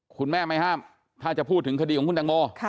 คุณแม่ไม่ห้ามถ้าจะพูดถึงคดีของคุณตังโม